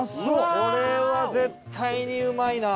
これは絶対にうまいな。